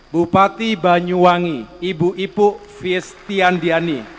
bupati banyuwangi ibu ipuk fiestian diani